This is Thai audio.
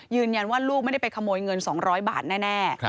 ยืนยันว่าลูกไม่ได้ไปขโมยเงิน๒๐๐บาทแน่